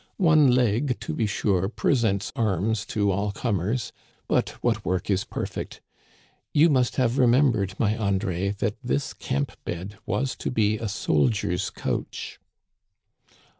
One leg, to be sure, presents arms to all comers. But what work is perfect ? You must have remembered, my Andre, that this camp bed was to be a soldiers* couch."